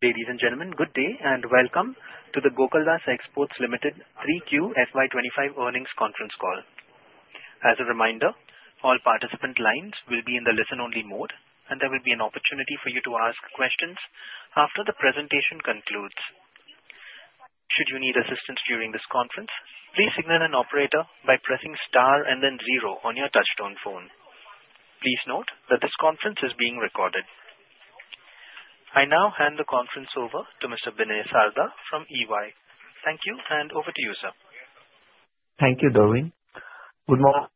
Ladies and gentlemen, good day and welcome to the Gokaldas Exports Limited 3Q FY25 Earnings Conference Call. As a reminder, all participant lines will be in the listen-only mode, and there will be an opportunity for you to ask questions after the presentation concludes. Should you need assistance during this conference, please signal an operator by pressing * and then 0 on your touch-tone phone. Please note that this conference is being recorded. I now hand the conference over to Mr. Binay Sarda from EY. Thank you, and over to you, sir. Thank you, Darwin. Good morning.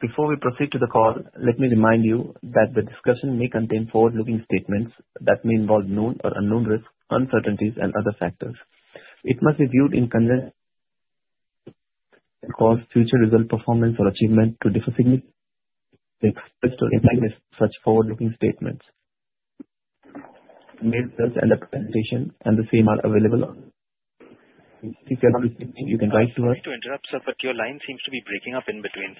Before we proceed to the call, let me remind you that the discussion may contain forward-looking statements that may involve known or unknown risks, uncertainties, and other factors. It must be viewed in conjunction with the call's future result, performance, or achievement to differentiate such forward-looking statements. Mailed results and the presentation and the same are available. If you cannot receive them, you can write to us. I'm sorry to interrupt, sir, but your line seems to be breaking up in between.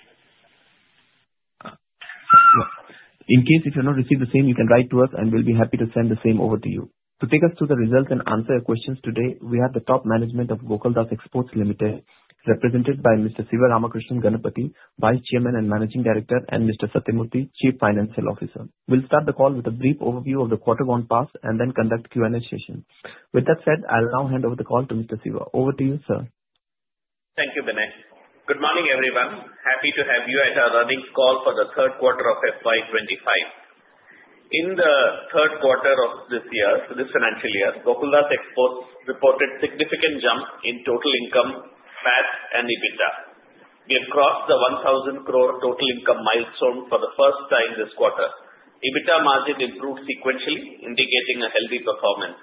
In case you cannot receive the same, you can write to us, and we'll be happy to send the same over to you. To take us through the results and answer your questions today, we have the top management of Gokaldas Exports Limited, represented by Mr. Sivaramakrishnan Ganapathi, Vice Chairman and Managing Director, and Mr. Sathyamurthy, Chief Financial Officer. We'll start the call with a brief overview of the quarter gone past and then conduct Q&A session. With that said, I'll now hand over the call to Mr. Siva. Over to you, sir. Thank you, Binay. Good morning, everyone. Happy to have you at our Earnings Call for the Q3 of FY25. In the Q3 of this year, this financial year, Gokaldas Exports reported a significant jump in total income and EBITDA. We have crossed the 1,000 crore total income milestone for the first time this quarter. EBITDA margin improved sequentially, indicating a healthy performance.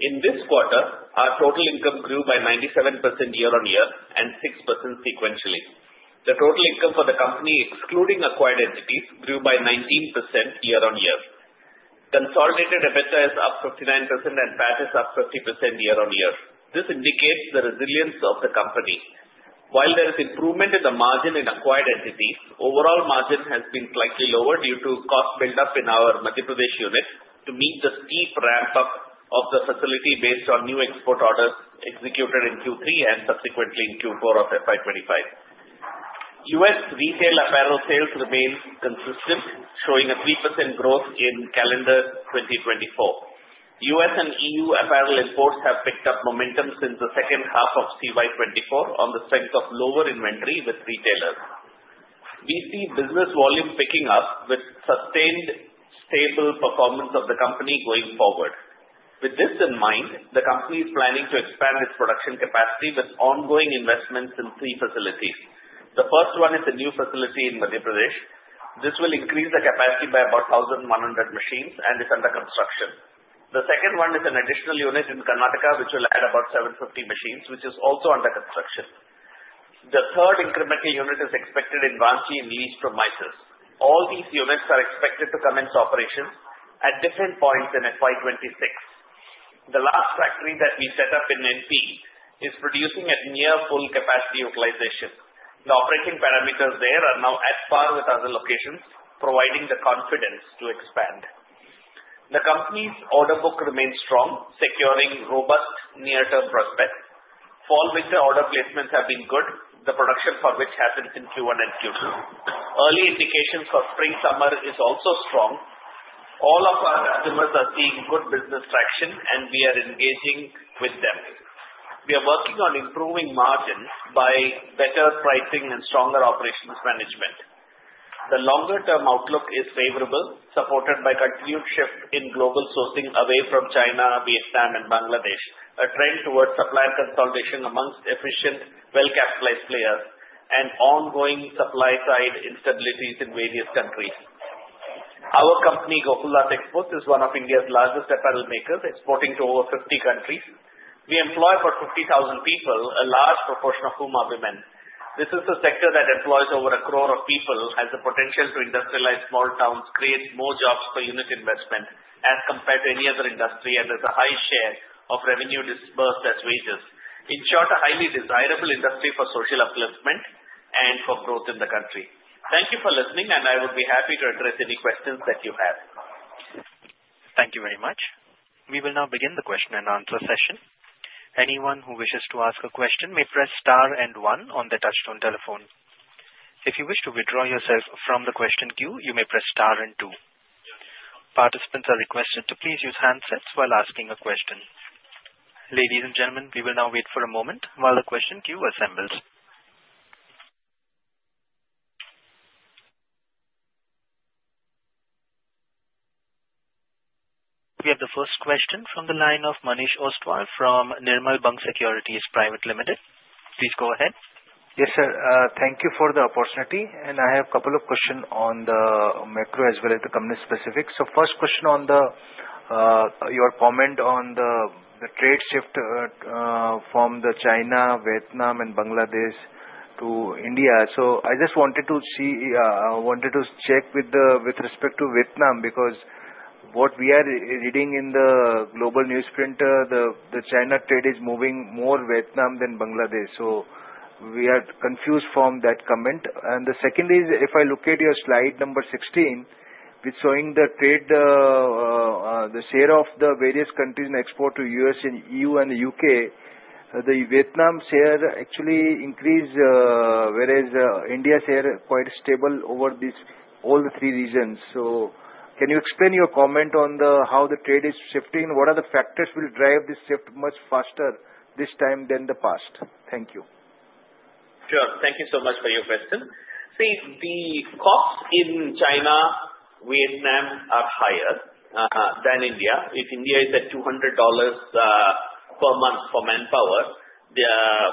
In this quarter, our total income grew by 97% year-on-year and 6% sequentially. The total income for the company, excluding acquired entities, grew by 19% year-on-year. Consolidated EBITDA is up 59% and PAT is up 50% year-on-year. This indicates the resilience of the company. While there is improvement in the margin in acquired entities, overall margin has been slightly lower due to cost build-up in our Madhya Pradesh unit to meet the steep ramp-up of the facility based on new export orders executed in Q3 and subsequently in Q4 of FY25. U.S. retail apparel sales remain consistent, showing a 3% growth in calendar 2024. U.S. and E.U. apparel imports have picked up momentum since the second half of CY24 on the strength of lower inventory with retailers. We see business volume picking up with sustained stable performance of the company going forward. With this in mind, the company is planning to expand its production capacity with ongoing investments in three facilities. The first one is a new facility in Madhya Pradesh. This will increase the capacity by about 1,100 machines and is under construction. The second one is an additional unit in Karnataka, which will add about 750 machines, which is also under construction. The third incremental unit is expected in Ranchi and leased premises. All these units are expected to come into operation at different points in FY26. The last factory that we set up in MP is producing at near full capacity utilization. The operating parameters there are now at par with other locations, providing the confidence to expand. The company's order book remains strong, securing robust near-term prospects. Fall/Winter order placements have been good, the production for which happens in Q1 and Q2. Early indications for Spring/Summer are also strong. All of our customers are seeing good business traction, and we are engaging with them. We are working on improving margins by better pricing and stronger operations management. The longer-term outlook is favorable, supported by continued shift in global sourcing away from China, Vietnam, and Bangladesh, a trend towards supplier consolidation among efficient, well-capitalized players, and ongoing supply-side instabilities in various countries. Our company, Gokaldas Exports, is one of India's largest apparel makers, exporting to over 50 countries. We employ about 50,000 people, a large proportion of whom are women. This is a sector that employs over a crore of people, has the potential to industrialize small towns, create more jobs per unit investment as compared to any other industry, and has a high share of revenue dispersed as wages. In short, a highly desirable industry for social upliftment and for growth in the country. Thank you for listening, and I would be happy to address any questions that you have. Thank you very much. We will now begin the question-and-answer session. Anyone who wishes to ask a question may press * and 1 on the touch-tone telephone. If you wish to withdraw yourself from the question queue, you may press * and 2. Participants are requested to please use handsets while asking a question. Ladies and gentlemen, we will now wait for a moment while the question queue assembles. We have the first question from the line of Manish Ostwal from Nirmal Bang Securities Private Limited. Please go ahead. Yes, sir. Thank you for the opportunity, and I have a couple of questions on the macro as well as the company specifics. So first question on your comment on the trade shift from China, Vietnam, and Bangladesh to India. So I just wanted to check with respect to Vietnam because what we are reading in the global newsprint, the China trade is moving more Vietnam than Bangladesh. So we are confused from that comment. And the second is, if I look at your slide number 16, which is showing the share of the various countries in export to the U.S., E.U., and the U.K., the Vietnam share actually increased, whereas India's share is quite stable over all the three regions. So can you explain your comment on how the trade is shifting? What are the factors that will drive this shift much faster this time than the past? Thank you. Sure. Thank you so much for your question. See, the costs in China and Vietnam are higher than India. If India is at $200 per month for manpower,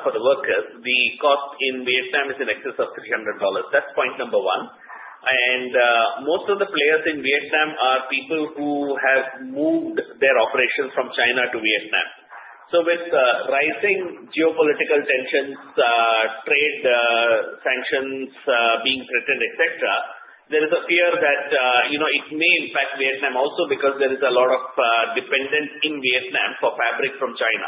for the workers, the cost in Vietnam is in excess of $300. That's point number one. And most of the players in Vietnam are people who have moved their operations from China to Vietnam. So with rising geopolitical tensions, trade sanctions being threatened, etc., there is a fear that it may impact Vietnam also because there is a lot of dependence in Vietnam for fabric from China.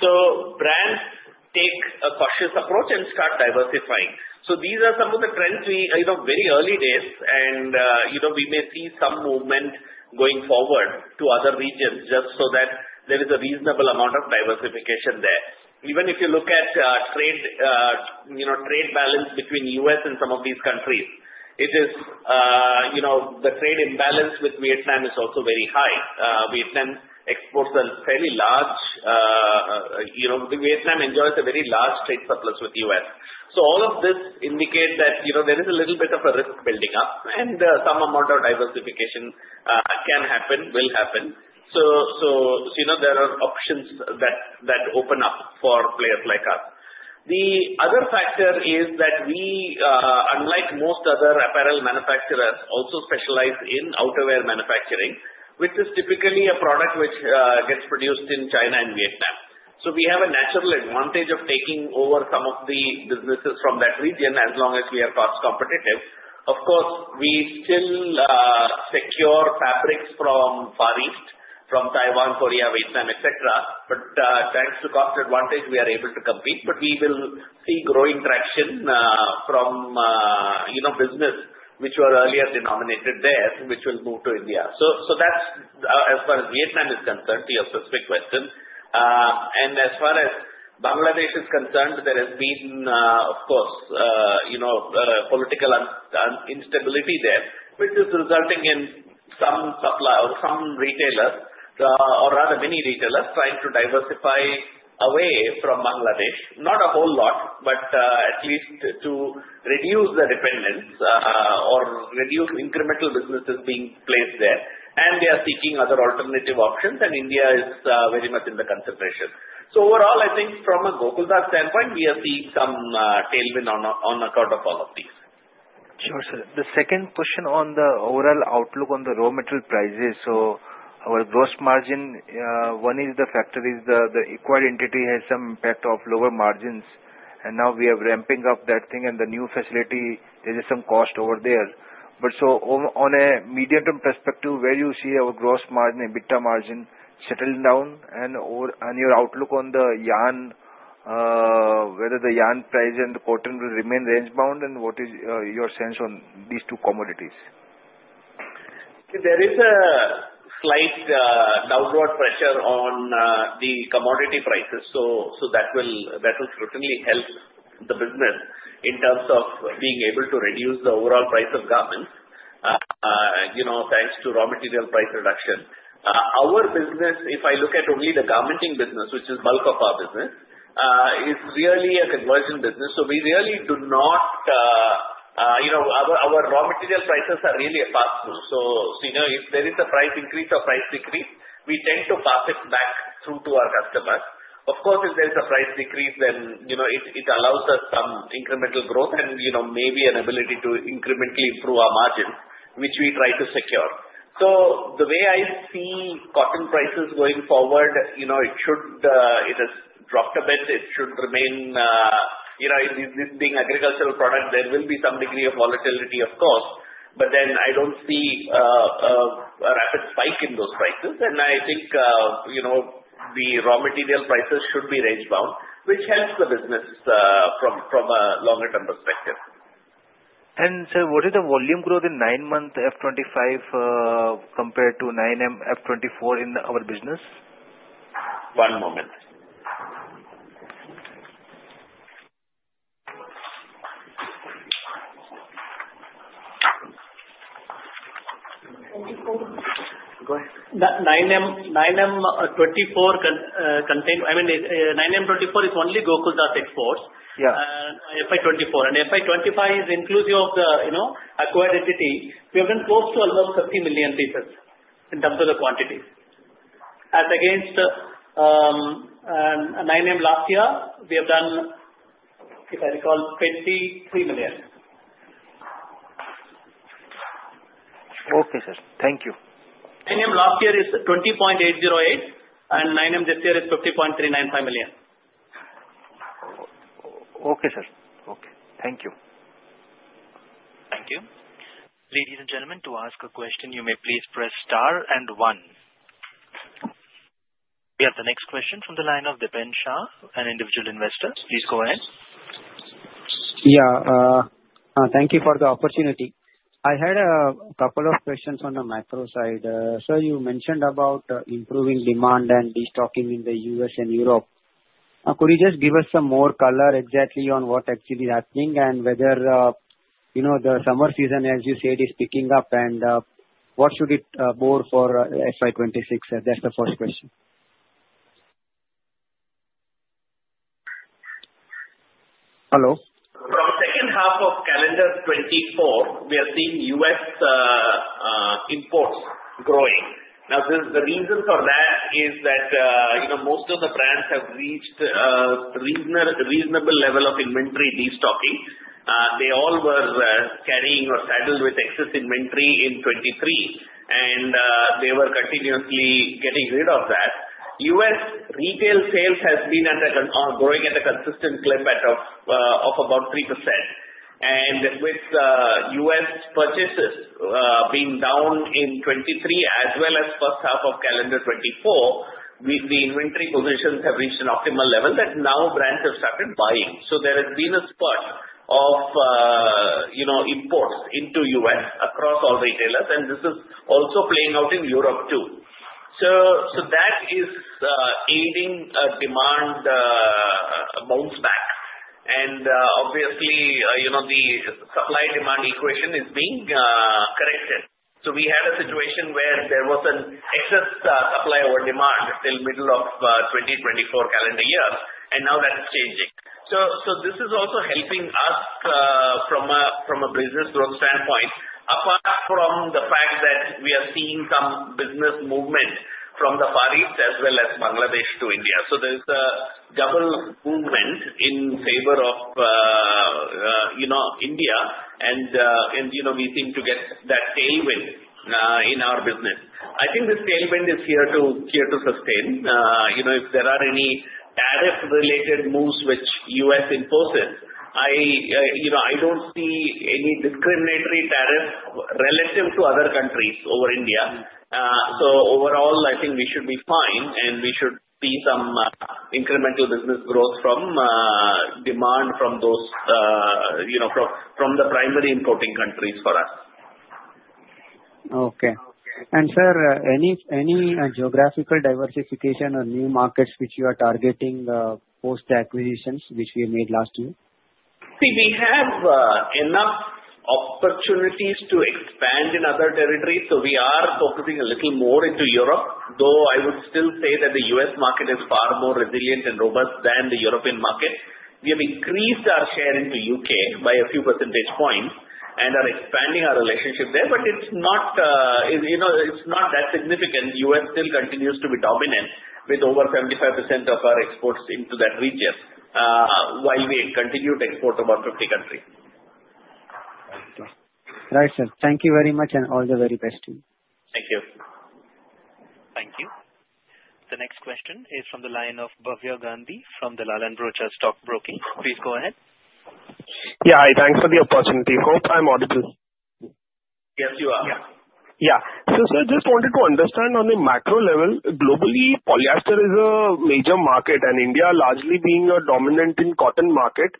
So brands take a cautious approach and start diversifying. So these are some of the trends we, in the very early days, and we may see some movement going forward to other regions just so that there is a reasonable amount of diversification there. Even if you look at the trade balance between the U.S. and some of these countries, it is the trade imbalance with Vietnam is also very high. Vietnam enjoys a very large trade surplus with the U.S. So all of this indicates that there is a little bit of a risk building up, and some amount of diversification can happen, will happen. So there are options that open up for players like us. The other factor is that we, unlike most other apparel manufacturers, also specialize in outerwear manufacturing, which is typically a product which gets produced in China and Vietnam. So we have a natural advantage of taking over some of the businesses from that region as long as we are cost competitive. Of course, we still secure fabrics from Far East, from Taiwan, Korea, Vietnam, etc., but thanks to cost advantage, we are able to compete. But we will see growing traction from business which were earlier denominated there, which will move to India. So that's as far as Vietnam is concerned, to your specific question. And as far as Bangladesh is concerned, there has been, of course, political instability there, which is resulting in some retailers, or rather many retailers, trying to diversify away from Bangladesh. Not a whole lot, but at least to reduce the dependence or reduce incremental businesses being placed there. And they are seeking other alternative options, and India is very much in the consideration. So overall, I think from a Gokaldas standpoint, we are seeing some tailwind on account of all of these. Sure, sir. The second question on the overall outlook on the raw material prices. So our gross margin, one of the factors is the acquired entity has some impact of lower margins, and now we are ramping up that thing, and the new facility, there is some cost over there, but so on a medium-term perspective, where do you see our gross margin, EBITDA margin settling down? And your outlook on the yarn, whether the yarn price and the cotton will remain range-bound, and what is your sense on these two commodities? There is a slight downward pressure on the commodity prices, so that will certainly help the business in terms of being able to reduce the overall price of garments thanks to raw material price reduction. Our business, if I look at only the garmenting business, which is the bulk of our business, is really a conversion business. So we really do not. Our raw material prices are really a pass-through. So if there is a price increase or price decrease, we tend to pass it back through to our customers. Of course, if there is a price decrease, then it allows us some incremental growth and maybe an ability to incrementally improve our margins, which we try to secure. So the way I see cotton prices going forward, it has dropped a bit. It should remain, this being an agricultural product, there will be some degree of volatility, of course, but then I don't see a rapid spike in those prices, and I think the raw material prices should be range-bound, which helps the business from a longer-term perspective. Sir, what is the volume growth in nine-month F25 compared to 9M F24 in our business? One moment. 9M24—I mean, 9M24 is only Gokaldas Exports and FY24. And FY25 is inclusive of the acquired entity. We have been close to almost 50 million pieces in terms of the quantity. As against 9M last year, we have done, if I recall, 23 million. Okay, sir. Thank you. 9M last year is 20.808, and 9M this year is 50.395 million. Okay, sir. Okay. Thank you. Thank you. Ladies and gentlemen, to ask a question, you may please press star and one. We have the next question from the line of Dipen Shah, an individual investor. Please go ahead. Yeah. Thank you for the opportunity. I had a couple of questions on the macro side. Sir, you mentioned about improving demand and restocking in the U.S. and Europe. Could you just give us some more color exactly on what actually is happening and whether the summer season, as you said, is picking up, and what should it bode for FY26? That's the first question. Hello? From the second half of calendar 2024, we are seeing U.S. imports growing. Now, the reason for that is that most of the brands have reached a reasonable level of inventory destocking. They all were carrying or saddled with excess inventory in 23, and they were continuously getting rid of that. U.S. retail sales have been growing at a consistent clip of about 3%, and with U.S. purchases being down in 23 as well as the first half of calendar 24, the inventory positions have reached an optimal level that now brands have started buying, so there has been a spurt of imports into U.S. across all retailers, and this is also playing out in Europe too, so that is aiding demand bounce back, and obviously, the supply-demand equation is being corrected. We had a situation where there was an excess supply over demand till the middle of the 2024 calendar year, and now that's changing. This is also helping us from a business growth standpoint, apart from the fact that we are seeing some business movement from the Far East as well as Bangladesh to India. There is a double movement in favor of India, and we seem to get that tailwind in our business. I think this tailwind is here to sustain. If there are any tariff-related moves which the U.S. imposes, I don't see any discriminatory tariff relative to other countries over India. Overall, I think we should be fine, and we should see some incremental business growth from demand from those primary importing countries for us. Okay. And sir, any geographical diversification or new markets which you are targeting post-acquisitions which we made last year? See, we have enough opportunities to expand in other territories, so we are focusing a little more into Europe, though I would still say that the U.S. market is far more resilient and robust than the European market. We have increased our share into the U.K. by a few percentage points and are expanding our relationship there, but it's not that significant. The U.S. still continues to be dominant with over 75% of our exports into that region, while we continue to export to about 50 countries. Right, sir. Thank you very much, and all the very best to you. Thank you. Thank you. The next question is from the line of Bhavya Gandhi from the Dalal & Broacha Stock Broking. Please go ahead. Yeah. Hi. Thanks for the opportunity. Hope I'm audible. Yes, you are. Yeah. Yeah. So sir, I just wanted to understand on the macro level, globally, polyester is a major market, and India largely being a dominant cotton market.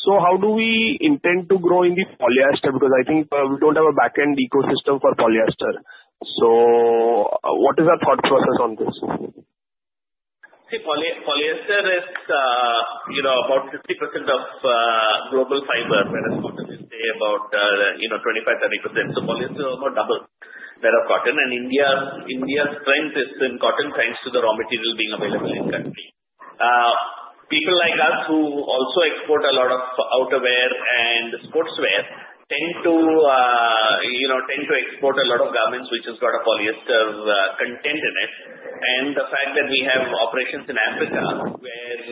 So how do we intend to grow in the polyester? Because I think we don't have a back-end ecosystem for polyester. So what is our thought process on this? See, polyester is about 50% of global fiber, but as far as you say, about 25%-30%. So polyester is about double that of cotton. And India's strength is in cotton thanks to the raw material being available in the country. People like us who also export a lot of outerwear and sportswear tend to export a lot of garments which have got a polyester content in it. And the fact that we have operations in Africa where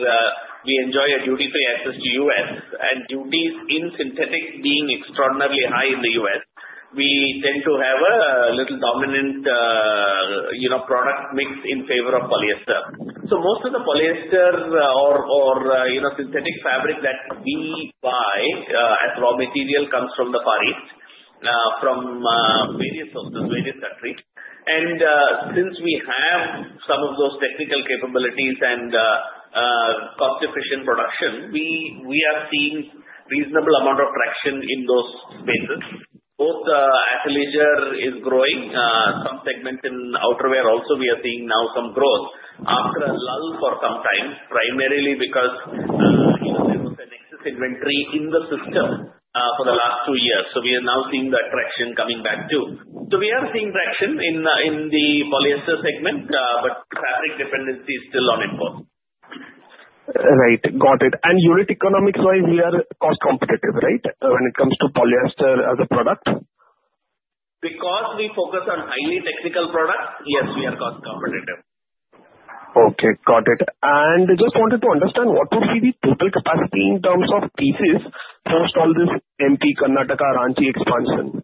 we enjoy a duty-free access to the U.S., and duties in synthetic being extraordinarily high in the U.S., we tend to have a little dominant product mix in favor of polyester. So most of the polyester or synthetic fabric that we buy as raw material comes from the Far East, from various sources, various countries. And since we have some of those technical capabilities and cost-efficient production, we are seeing a reasonable amount of traction in those spaces. Both athleisure is growing. Some segments in outerwear also, we are seeing now some growth after a lull for some time, primarily because there was an excess inventory in the system for the last two years. So, we are now seeing that traction coming back too. So, we are seeing traction in the polyester segment, but fabric dependency is still on imports. Right. Got it. And unit economics-wise, we are cost competitive, right, when it comes to polyester as a product? Because we focus on highly technical products, yes, we are cost competitive. Okay. Got it. And I just wanted to understand what would be the total capacity in terms of pieces post all this MP, Karnataka, Ranchi expansion?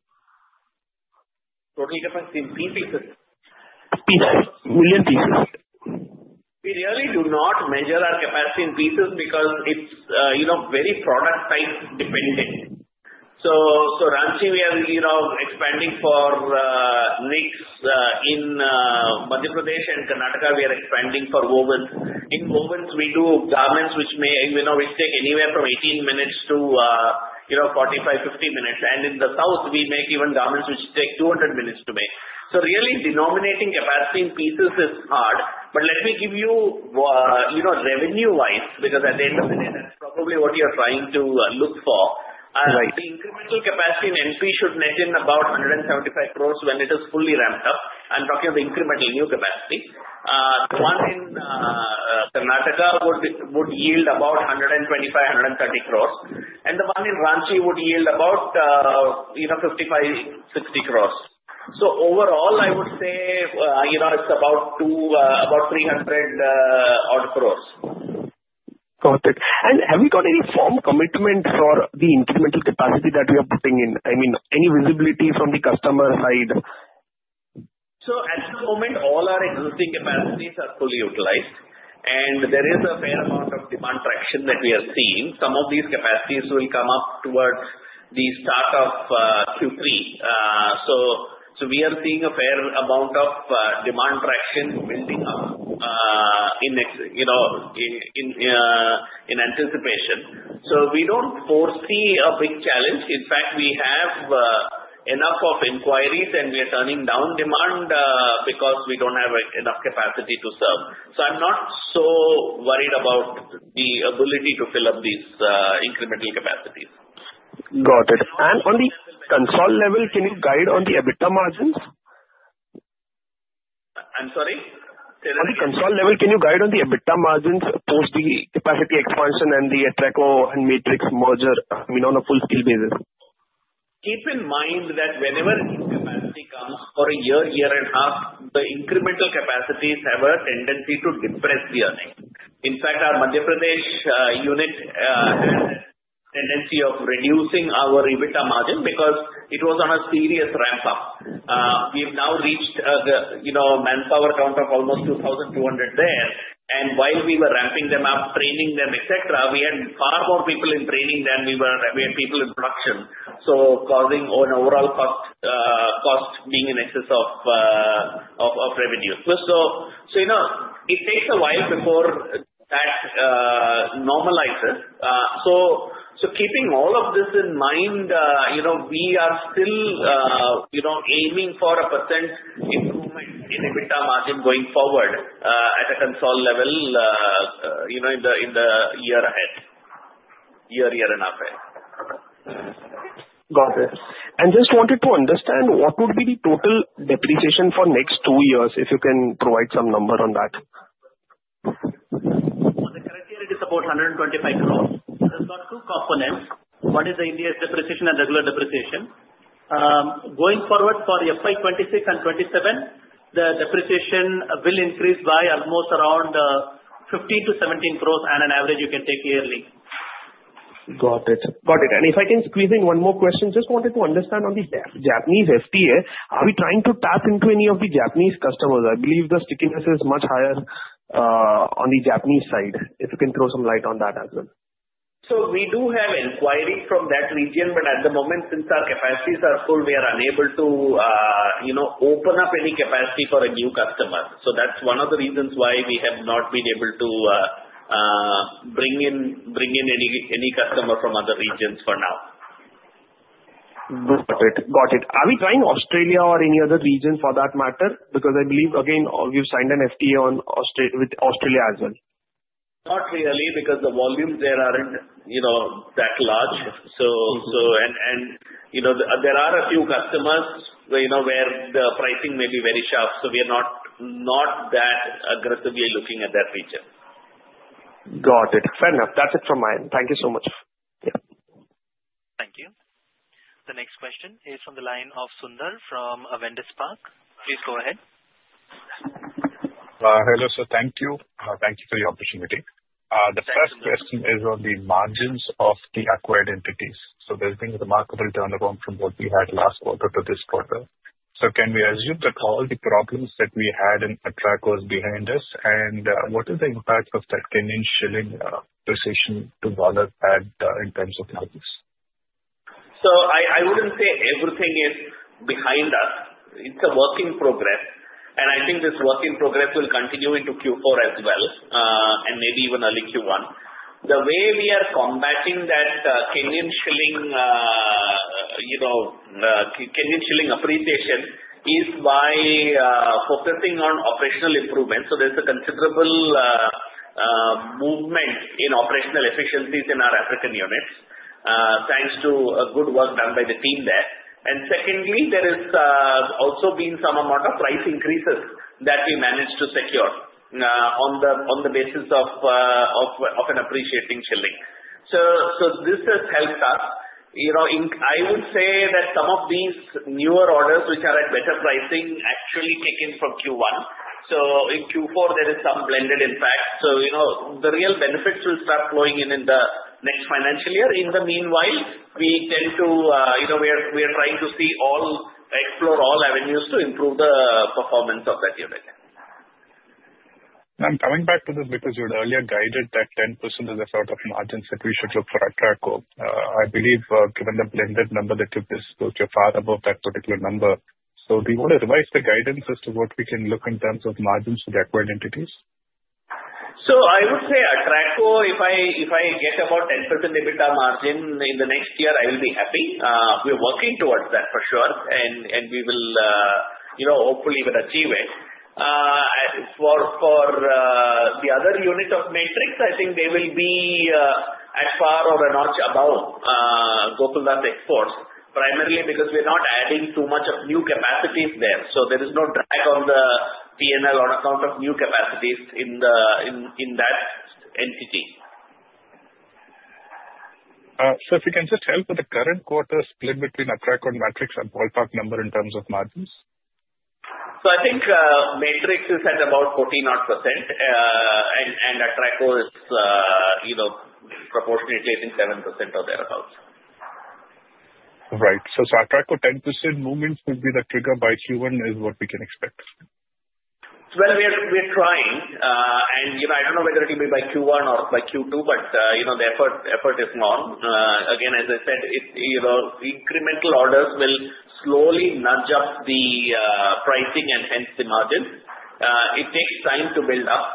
Total capacity in pieces? Pieces. Million pieces. We really do not measure our capacity in pieces because it's very product-type dependent. Ranchi, we are expanding for knits in Madhya Pradesh, and Karnataka, we are expanding for wovens. In wovens, we do garments which may take anywhere from 18 minutes to 45-50 minutes. In the South, we make even garments which take 200 minutes to make. Really, denominating capacity in pieces is hard. Let me give you revenue-wise, because at the end of the day, that's probably what you're trying to look for. The incremental capacity in MP should net in about 175 crores when it is fully ramped up. I'm talking of the incremental new capacity. The one in Karnataka would yield about 125-130 crores, and the one in Ranchi would yield about 55-60 crores. Overall, I would say it's about 300 crores. Got it. And have you got any firm commitment for the incremental capacity that we are putting in? I mean, any visibility from the customer side? So at the moment, all our existing capacities are fully utilized, and there is a fair amount of demand traction that we are seeing. Some of these capacities will come up towards the start of Q3. So we are seeing a fair amount of demand traction building up in anticipation. So we don't foresee a big challenge. In fact, we have enough of inquiries, and we are turning down demand because we don't have enough capacity to serve. So I'm not so worried about the ability to fill up these incremental capacities. Got it and on the cost level, can you guide on the EBITDA margins? I'm sorry? Say that again. On the consol level, can you guide on the EBITDA margins post the capacity expansion and the Atraco and Matrix merger, I mean, on a full-scale basis? Keep in mind that whenever new capacity comes for a year, year and a half, the incremental capacities have a tendency to depress the earnings. In fact, our Madhya Pradesh unit had a tendency of reducing our EBITDA margin because it was on a serious ramp-up. We have now reached a manpower count of almost 2,200 there. And while we were ramping them up, training them, etc., we had far more people in training than we had people in production, so causing an overall cost being in excess of revenue. So it takes a while before that normalizes. So keeping all of this in mind, we are still aiming for a percent improvement in EBITDA margin going forward at the consolidated level in the year ahead, year, year and a half ahead. Got it. And just wanted to understand what would be the total depreciation for the next two years, if you can provide some number on that? On the current year, it is about 125 crores. There's got two components. One is the India's depreciation and regular depreciation. Going forward for FY26 and FY27, the depreciation will increase by almost around 15-17 crores on an average you can take yearly. Got it. Got it. And if I can squeeze in one more question, just wanted to understand on the Japanese FTA, are we trying to tap into any of the Japanese customers? I believe the stickiness is much higher on the Japanese side. If you can throw some light on that as well. So we do have inquiries from that region, but at the moment, since our capacities are full, we are unable to open up any capacity for a new customer. So that's one of the reasons why we have not been able to bring in any customer from other regions for now. Got it. Got it. Are we trying Australia or any other region for that matter? Because I believe, again, we've signed an FTA with Australia as well. Not really, because the volumes there aren't that large. And there are a few customers where the pricing may be very sharp. So we are not that aggressively looking at that region. Got it. Fair enough. That's it from mine. Thank you so much. Thank you. The next question is from the line of Sundar from Avendus Spark. Please go ahead. Hello, sir. Thank you. Thank you for the opportunity. The first question is on the margins of the acquired entities. So there's been a remarkable turnaround from what we had last quarter to this quarter. So can we assume that all the problems that we had in Atraco are behind us? And what is the impact of that 10% shilling position to value add in terms of margins? So I wouldn't say everything is behind us. It's a work in progress. And I think this work in progress will continue into Q4 as well, and maybe even early Q1. The way we are combating that 10% shilling appreciation is by focusing on operational improvements. So there's a considerable movement in operational efficiencies in our African units, thanks to good work done by the team there. And secondly, there has also been some amount of price increases that we managed to secure on the basis of an appreciating shilling. So this has helped us. I would say that some of these newer orders, which are at better pricing, actually came in from Q1. So in Q4, there is some blended impact. So the real benefits will start flowing in the next financial year. In the meanwhile, we are trying to explore all avenues to improve the performance of that unit. I'm coming back to this because you had earlier guided that 10% is a sort of margin that we should look for Atraco. I believe, given the blended number that you've disclosed, you're far above that particular number. So do you want to revise the guidance as to what we can look in terms of margins for the acquired entities? So I would say Atraco, if I get about 10% EBITDA margin in the next year, I will be happy. We are working towards that, for sure, and we will hopefully even achieve it. For the other unit of Matrix, I think they will be at par or a notch above Gokaldas Exports, primarily because we are not adding too much of new capacities there. So there is no drag on the P&L on account of new capacities in that entity. So if we can just help with the current quarter split between Atraco and Matrix and ballpark number in terms of margins? I think Matrix is at about 40-odd%, and Atraco is proportionately I think 7% or thereabouts. Right. So Atraco 10% movements would be the trigger by Q1 is what we can expect? We're trying. I don't know whether it will be by Q1 or by Q2, but the effort is gone. Again, as I said, incremental orders will slowly nudge up the pricing and hence the margins. It takes time to build up.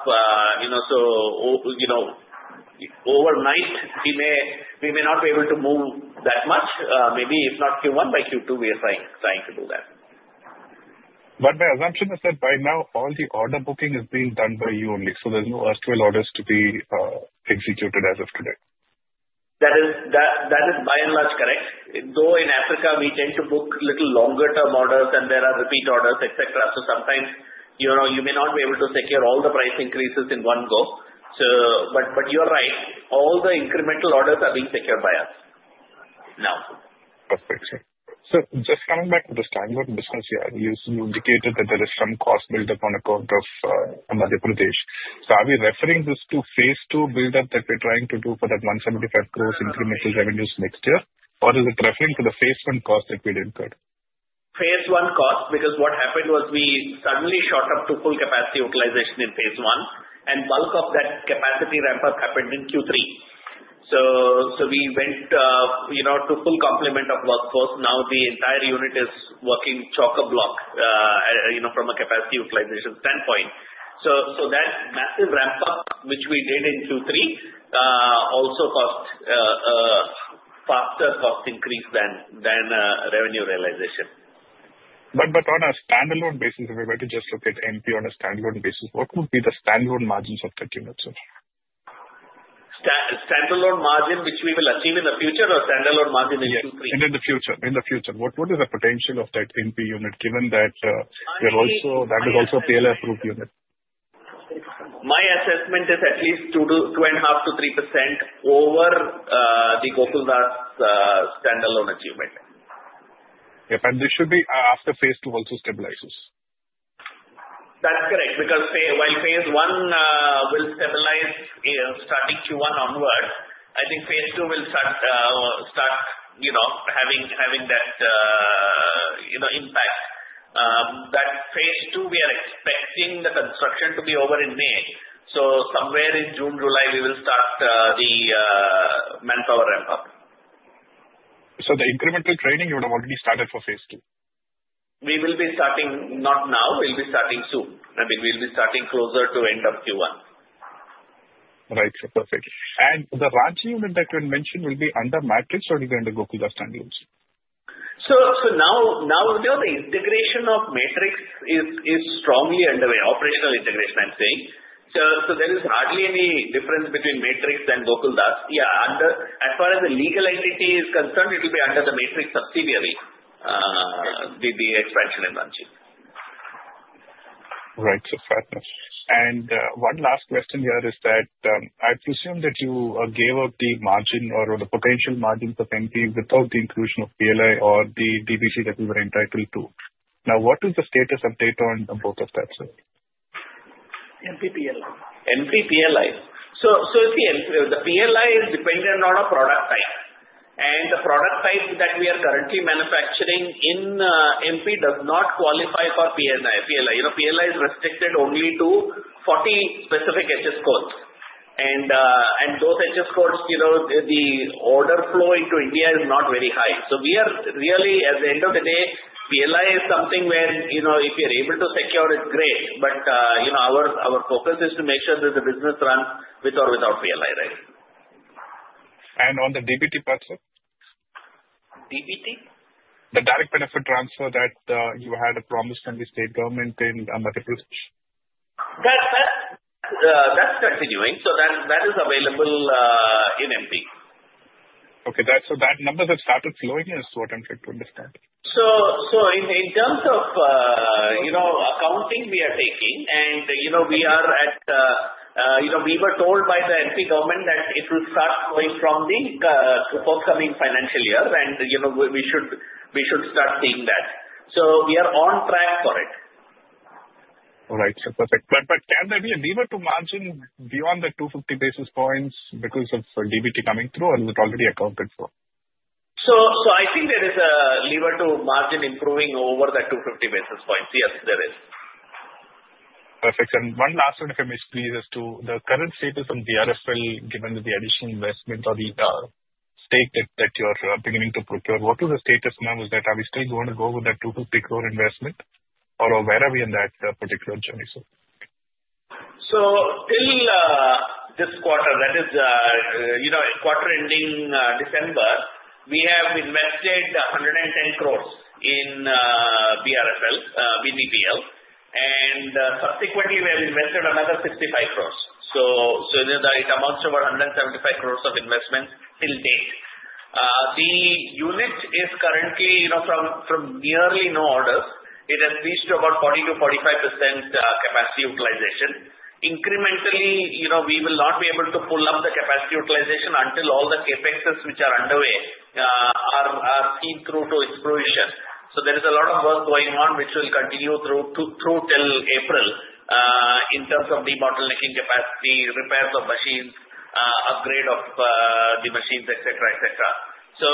Overnight, we may not be able to move that much. Maybe if not Q1, by Q2, we are trying to do that. But my assumption is that by now, all the order booking is being done by you only. So there's no erstwhile orders to be executed as of today. That is by and large correct. Though in Africa, we tend to book a little longer-term orders, and there are repeat orders, etc. So sometimes you may not be able to secure all the price increases in one go. But you're right. All the incremental orders are being secured by us now. Perfect. So just coming back to the standard business here, you indicated that there is some cost built up on account of Madhya Pradesh. So are we referring this to phase II build-up that we're trying to do for that 175 crores incremental revenues next year? Or is it referring to the phase I cost that we didn't cut? phase I cost, because what happened was we suddenly shot up to full capacity utilization in phase I, and bulk of that capacity ramp-up happened in Q3. So we went to full complement of workforce. Now the entire unit is working chock-a-block from a capacity utilization standpoint. So that massive ramp-up, which we did in Q3, also caused a faster cost increase than revenue realization. But on a standalone basis, if we were to just look at MP on a standalone basis, what would be the standalone margins of that unit, sir? Standalone margin which we will achieve in the future or standalone margin in Q3? What is the potential of that MP unit, given that that is also a PLI-approved unit? My assessment is at least 2.5%-3% over the Gokaldas standalone achievement. Yeah. But this should be after phase II also stabilizes. That's correct. Because while phase I will stabilize starting Q1 onward, I think phase II will start having that impact. That phase II, we are expecting the construction to be over in May. So somewhere in June, July, we will start the manpower ramp-up. So the incremental training, you would have already started for phase II? We will be starting not now. We'll be starting soon. I mean, we'll be starting closer to end of Q1. Right. Perfect. And the Ranchi unit that you had mentioned will be under Matrix, or is it under Gokaldas standalone? So now, the integration of Matrix is strongly underway, operational integration, I'm saying. So there is hardly any difference between Matrix and Gokaldas. Yeah. As far as the legal entity is concerned, it will be under the Matrix subsidiary, the expansion in Ranchi. Right. Fair enough. And one last question here is that I presume that you gave up the margin or the potential margins of MP without the inclusion of PLI or the DBT that we were entitled to. Now, what is the status update on both of that, sir? MP PLI. So the PLI is dependent on a product type. And the product type that we are currently manufacturing in MP does not qualify for PLI. PLI is restricted only to 40 specific HS codes. And those HS codes, the order flow into India is not very high. So we are really, at the end of the day, PLI is something where if you're able to secure, it's great. But our focus is to make sure that the business runs with or without PLI, right? On the DBT part, sir? DBT? The direct benefit transfer that you had promised in the state government in Madhya Pradesh? That's continuing. So that is available in MP. Okay. So that number that started flowing is what I'm trying to understand. In terms of accounting, we are taking. We were told by the MP government that it will start going strongly for the forthcoming financial year, and we should start seeing that. We are on track for it. All right. So perfect. But can there be a lever to margin beyond the 250 basis points because of DBT coming through, or is it already accounted for? So I think there is a lever to margin improving over that 250 basis points. Yes, there is. Perfect. And one last one, if I may squeeze as to the current status on BRFL, given the additional investment or the stake that you're beginning to procure, what is the status now? Is that are we still going to go with that 250 crore investment, or where are we in that particular journey, sir? Till this quarter, that is quarter ending December, we have invested 110 crores in BRFL, BTPL. And subsequently, we have invested another 65 crores. So it amounts to about 175 crores of investment till date. The unit is currently from nearly no orders. It has reached about 40%-45% capacity utilization. Incrementally, we will not be able to pull up the capacity utilization until all the CapEx which are underway are seen through to its fruition. So there is a lot of work going on, which will continue through till April in terms of de-bottlenecking capacity, repairs of machines, upgrade of the machines, etc., etc. So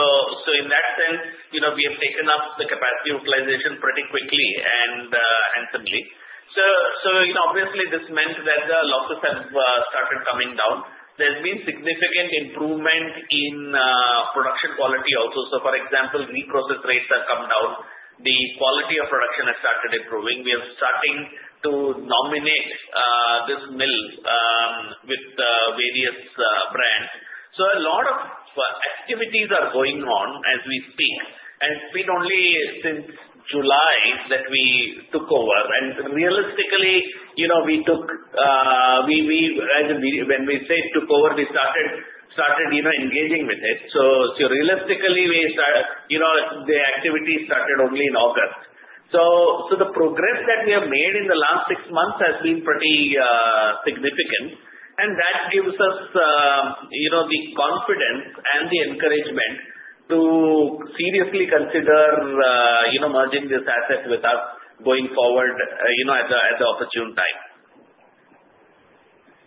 in that sense, we have taken up the capacity utilization pretty quickly and handsomely. So obviously, this meant that the losses have started coming down. There's been significant improvement in production quality also. So for example, reprocess rates have come down. The quality of production has started improving. We are starting to nominate this mill with various brands, so a lot of activities are going on as we speak, and it's been only since July that we took over, and realistically, we took when we say took over, we started engaging with it, so realistically, the activity started only in August, so the progress that we have made in the last six months has been pretty significant, and that gives us the confidence and the encouragement to seriously consider merging this asset with us going forward at the opportune time.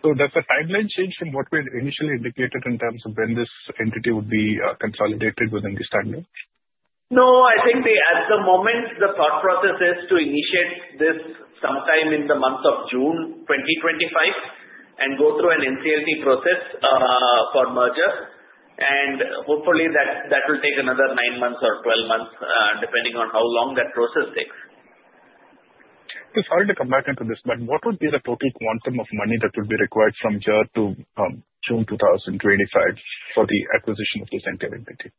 Does the timeline change from what we had initially indicated in terms of when this entity would be consolidated within this timeline? No. I think at the moment, the thought process is to initiate this sometime in the month of June 2025 and go through an NCLT process for merger, and hopefully, that will take another nine months or 12 months, depending on how long that process takes. Sorry to come back into this, but what would be the total quantum of money that would be required from here to June 2025 for the acquisition of this entire entity?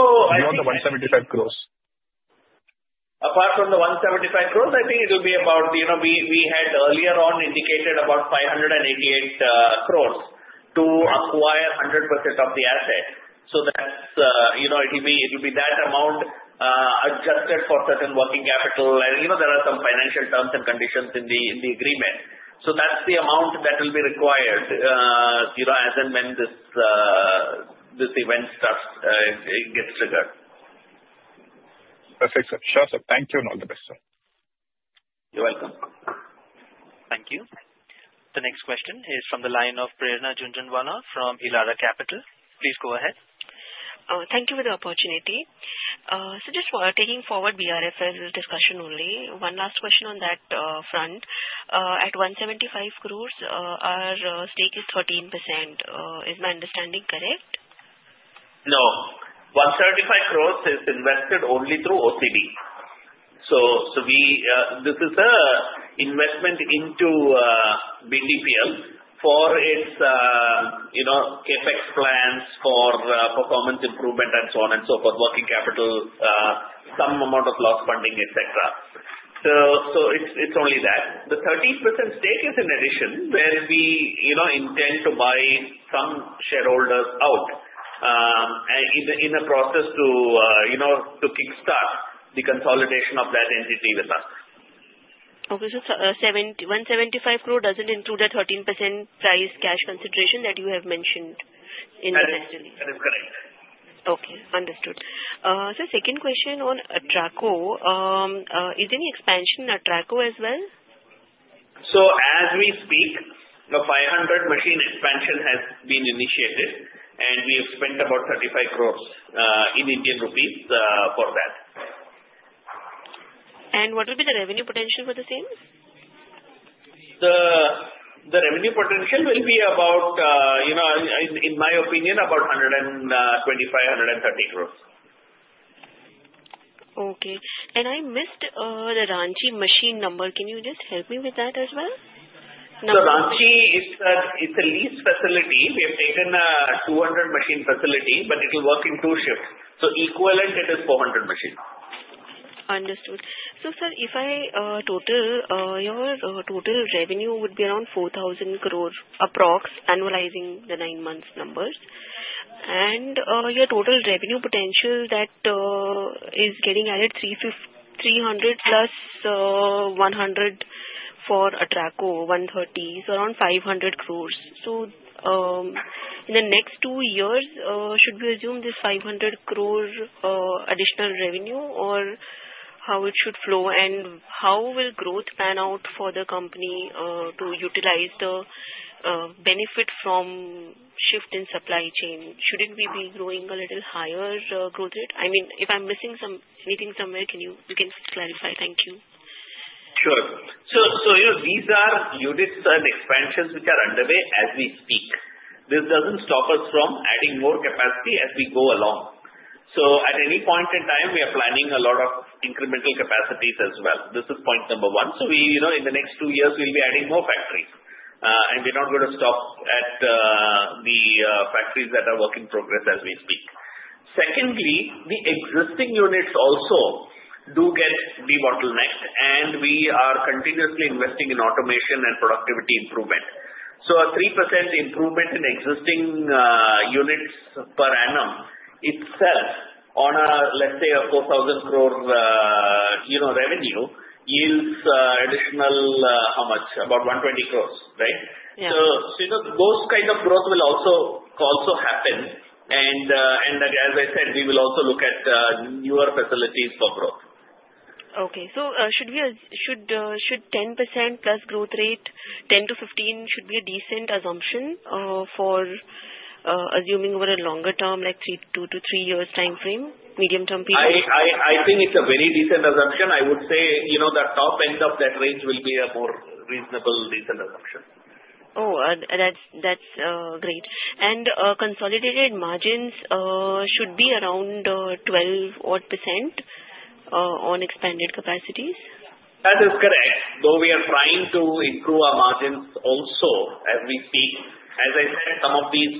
Beyond the 175 crores? Apart from the 175 crores, I think it will be about we had earlier on indicated about 588 crores to acquire 100% of the asset. So it will be that amount adjusted for certain working capital. And there are some financial terms and conditions in the agreement. So that's the amount that will be required as and when this event gets triggered. Perfect. Sure. So thank you and all the best, sir. You're welcome. Thank you. The next question is from the line of Prerna Jhunjhunwala from Elara Capital. Please go ahead. Thank you for the opportunity. So just taking forward BRFL discussion only, one last question on that front. At 175 crores, our stake is 13%. Is my understanding correct? 175 crore is invested only through OCD. So this is an investment into BTPL for its CapEx plans for performance improvement and so on and so forth, working capital, some amount of loss funding, etc. So it's only that. The 13% stake is in addition when we intend to buy some shareholders out in a process to kickstart the consolidation of that entity with us. Okay. So 175 crore doesn't include the 13% purchase cash consideration that you have mentioned in the last release. That is correct. Okay. Understood. So second question on Atraco, is any expansion in Atraco as well? As we speak, the 500 machine expansion has been initiated, and we have spent about 35 crore for that. What will be the revenue potential for the same? The revenue potential will be about, in my opinion, about 125-130 crores. Okay. And I missed the Ranchi machine number. Can you just help me with that as well? So Ranchi, it's a leased facility. We have taken a 200 machine facility, but it will work in two shifts. So equivalent, it is 400 machines. Understood. So sir, if I total your total revenue would be around 4,000 crores approx, annualizing the nine months numbers. And your total revenue potential that is getting added 300 plus 100 for Atraco, 130, so around 500 crores. So in the next two years, should we assume this 500 crores additional revenue, or how it should flow? And how will growth pan out for the company to utilize the benefit from shift in supply chain? Shouldn't we be growing a little higher growth rate? I mean, if I'm missing anything somewhere, you can clarify. Thank you. Sure. So these are units and expansions which are underway as we speak. This doesn't stop us from adding more capacity as we go along. So at any point in time, we are planning a lot of incremental capacities as well. This is point number one. So in the next two years, we'll be adding more factories. And we're not going to stop at the factories that are work in progress as we speak. Secondly, the existing units also do get de-bottlenecked, and we are continuously investing in automation and productivity improvement. So a 3% improvement in existing units per annum itself on a, let's say, a 4,000 crores revenue yields additional how much? About 120 crores, right? So those kinds of growth will also happen. And as I said, we will also look at newer facilities for growth. Okay. So should 10% plus growth rate, 10%-15%, should be a decent assumption for assuming over a longer term, like two to three years timeframe, medium-term period? I think it's a very decent assumption. I would say the top end of that range will be a more reasonable, decent assumption. Oh, that's great. And consolidated margins should be around 12% on expanded capacities? That is correct. Though we are trying to improve our margins also as we speak. As I said, some of these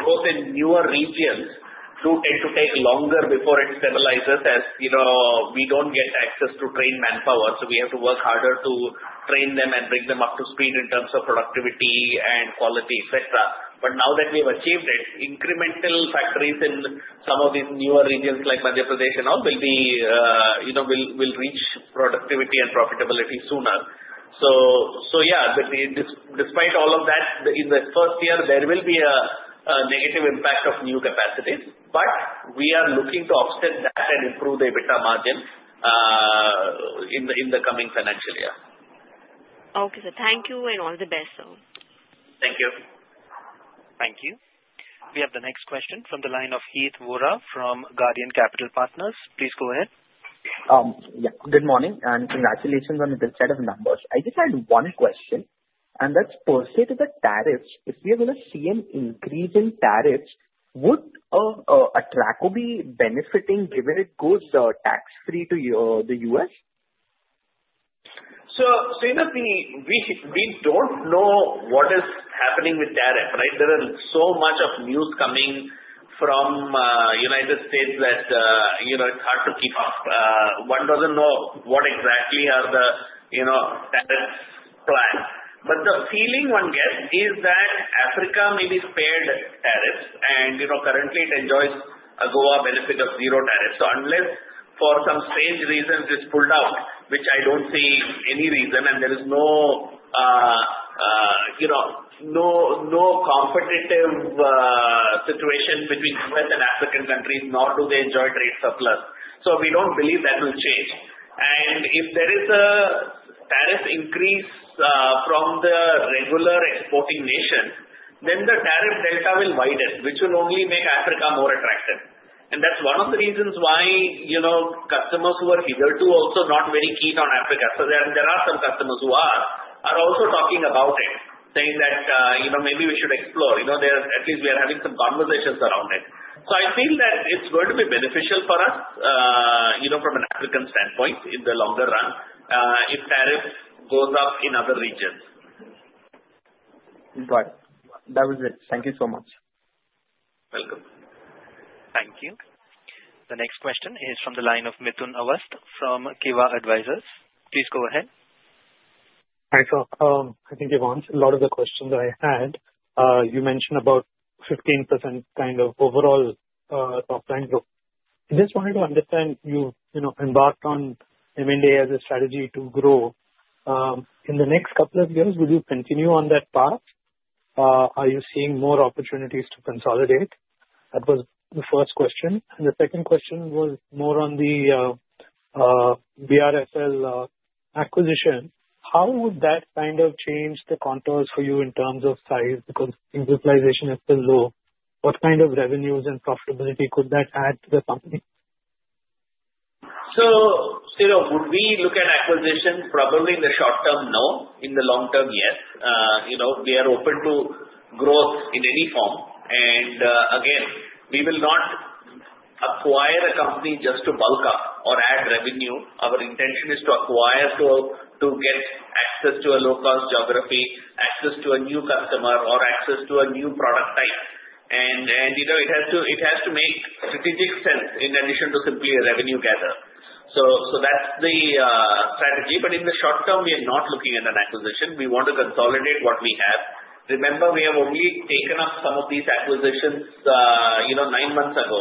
growth in newer regions do tend to take longer before it stabilizes as we don't get access to trained manpower. So we have to work harder to train them and bring them up to speed in terms of productivity and quality, etc. But now that we have achieved it, incremental factories in some of these newer regions like Madhya Pradesh and all will reach productivity and profitability sooner. So yeah, despite all of that, in the first year, there will be a negative impact of new capacities. But we are looking to offset that and improve the EBITDA margin in the coming financial year. Okay, so thank you and all the best, sir. Thank you. Thank you. We have the next question from the line of Heet Vora from Guardian Capital Partners. Please go ahead. Yeah. Good morning and congratulations on the set of numbers. I just had one question, and that's with respect to the tariffs. If we are going to see an increase in tariffs, would Atraco be benefiting given it goes tax-free to the U.S.? So we don't know what is happening with tariff, right? There is so much of news coming from the United States that it's hard to keep up. One doesn't know what exactly are the tariffs planned. But the feeling one gets is that Africa maybe spared tariffs, and currently, it enjoys an AGOA benefit of zero tariffs. So unless for some strange reason it's pulled out, which I don't see any reason, and there is no competitive situation between U.S. and African countries, nor do they enjoy trade surplus. So we don't believe that will change. And if there is a tariff increase from the regular exporting nation, then the tariff delta will widen, which will only make Africa more attractive. And that's one of the reasons why customers who are here too also not very keen on Africa. So there are some customers who are also talking about it, saying that maybe we should explore. At least we are having some conversations around it. So I feel that it's going to be beneficial for us from an African standpoint in the longer run if tariff goes up in other regions. Got it. That was it. Thank you so much. Welcome. Thank you. The next question is from the line of Mithun Aswath from Kiva Advisors. Please go ahead. Hi, sir. I think you've answered a lot of the questions I had. You mentioned about 15% kind of overall top line growth. I just wanted to understand you embarked on M&A as a strategy to grow. In the next couple of years, will you continue on that path? Are you seeing more opportunities to consolidate? That was the first question. And the second question was more on the BRFL acquisition. How would that kind of change the contours for you in terms of size because utilization is still low? What kind of revenues and profitability could that add to the company? So would we look at acquisition? Probably in the short term, no. In the long term, yes. We are open to growth in any form, and again, we will not acquire a company just to bulk up or add revenue. Our intention is to acquire to get access to a low-cost geography, access to a new customer, or access to a new product type, and it has to make strategic sense in addition to simply a revenue adder, so that's the strategy, but in the short term, we are not looking at an acquisition. We want to consolidate what we have. Remember, we have only taken up some of these acquisitions nine months ago,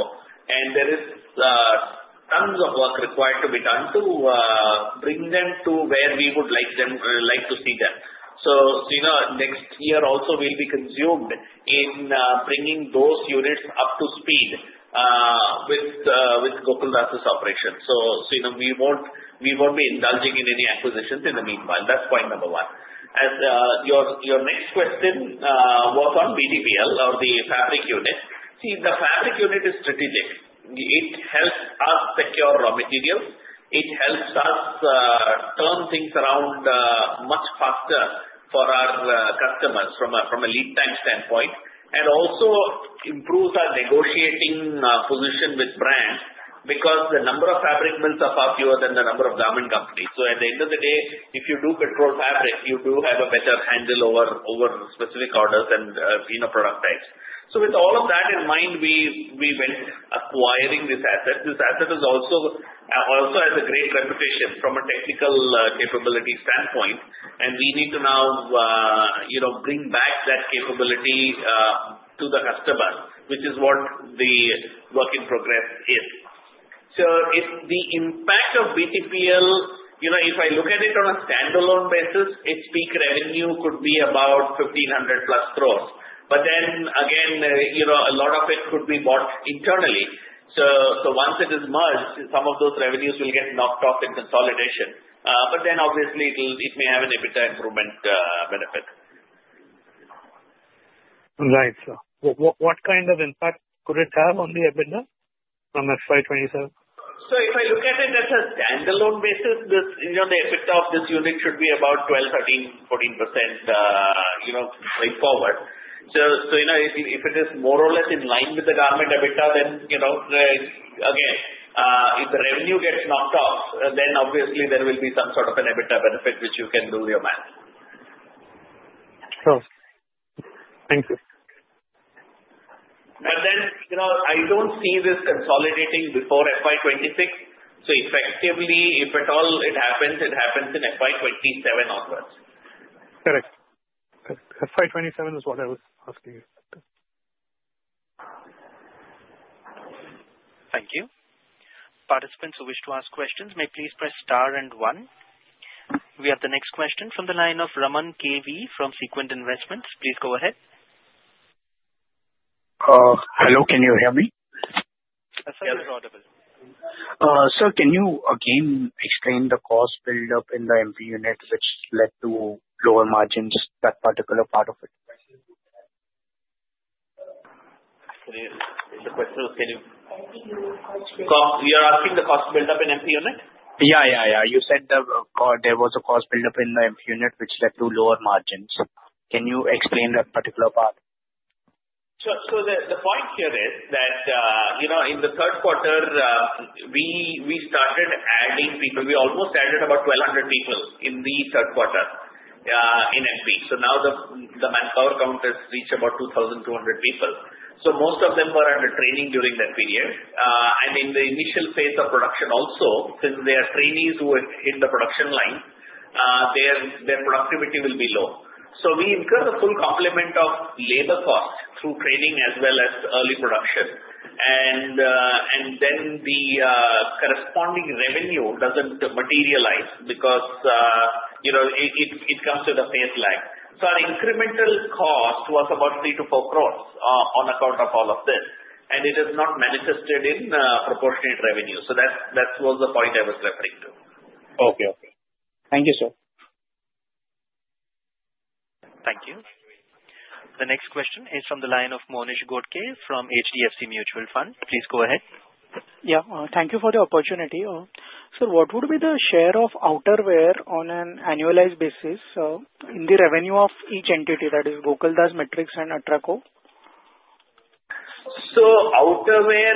and there is tons of work required to be done to bring them to where we would like to see them. So next year also will be consumed in bringing those units up to speed with Gokaldas's operation. So we won't be indulging in any acquisitions in the meanwhile. That's point number one. As your next question, work on BTPL or the fabric unit. See, the fabric unit is strategic. It helps us secure raw materials. It helps us turn things around much faster for our customers from a lead time standpoint and also improves our negotiating position with brands because the number of fabric mills are far fewer than the number of garment companies. So at the end of the day, if you do control fabric, you do have a better handle over specific orders and product types. So with all of that in mind, we went acquiring this asset. This asset also has a great reputation from a technical capability standpoint, and we need to now bring back that capability to the customer, which is what the work in progress is. So the impact of BTPL, if I look at it on a standalone basis, its peak revenue could be about 1,500 crores. But then again, a lot of it could be bought internally. So once it is merged, some of those revenues will get knocked off in consolidation. But then obviously, it may have an EBITDA improvement benefit. Right. So what kind of impact could it have on the EBITDA from FY27? So if I look at it as a standalone basis, the EBITDA of this unit should be about 12%-14% going forward. So if it is more or less in line with the garment EBITDA, then again, if the revenue gets knocked off, then obviously there will be some sort of an EBITDA benefit which you can do your math. Sure. Thank you. But then I don't see this consolidating before FY26. So effectively, if at all it happens, it happens in FY27 onwards. Correct. FY27 is what I was asking. Thank you. Participants who wish to ask questions, may please press * and 1. We have the next question from the line of Raman KV from Sequent Investments. Please go ahead. Hello. Can you hear me? Yes, sir. Sir, can you again explain the cost buildup in the MP unit which led to lower margins, that particular part of it? Can you repeat the question? Can you? You're asking the cost buildup in MP unit? Yeah, yeah, yeah. You said there was a cost buildup in the MP unit which led to lower margins. Can you explain that particular part? So the point here is that in the Q3, we started adding people. We almost added about 1,200 people in the Q3 in MP. So now the manpower count has reached about 2,200 people. So most of them were under training during that period. And in the initial phase of production also, since they are trainees who are in the production line, their productivity will be low. So we incur the full complement of labor costs through training as well as early production. And then the corresponding revenue doesn't materialize because it comes to the phase lag. So our incremental cost was about 3-4 crores on account of all of this. And it has not manifested in proportionate revenue. So that was the point I was referring to. Okay. Okay. Thank you, sir. Thank you. The next question is from the line of Monish Ghodke from HDFC Mutual Fund. Please go ahead. Yeah. Thank you for the opportunity. Sir, what would be the share of outerwear on an annualized basis in the revenue of each entity that is Gokaldas, Matrix, and Atraco? So outerwear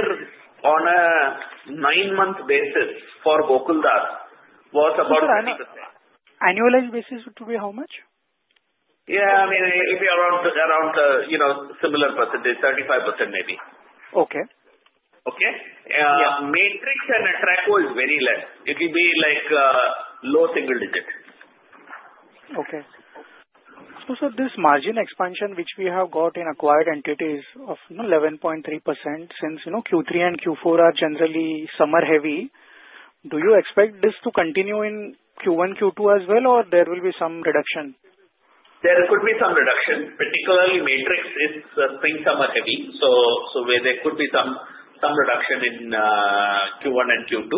on a nine-month basis for Gokaldas was about. So annualized basis would be how much? Yeah. I mean, it would be around a similar percentage, 35% maybe. Okay. Okay? Matrix and Atraco is very less. It would be like low single digit. Okay, so sir, this margin expansion which we have got in acquired entities of 11.3% since Q3 and Q4 are generally summer-heavy, do you expect this to continue in Q1, Q2 as well, or there will be some reduction? There could be some reduction. Particularly, Matrix is spring-summer-heavy, so there could be some reduction in Q1 and Q2.